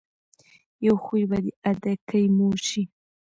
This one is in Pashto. يو خوي به دې ادکې مور شي.